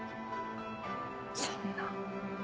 そんな。